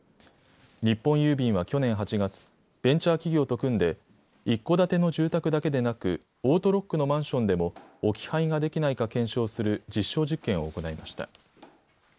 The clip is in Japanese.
日本郵便は去年８月、ベンチャー企業と組んで一戸建ての住宅だけでなくオートロックのマンションでも置き配ができないか検証する実証実験を行いました。